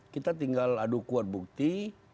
kita tinggal adu kuat bukti